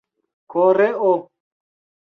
koreo